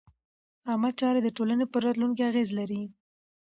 عامه چارې د ټولنې پر راتلونکي اغېز لري.